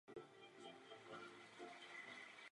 Další menší změny.